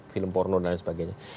film porno dan lain sebagainya